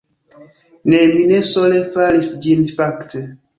Ne, mi ne sole faris ĝin fakte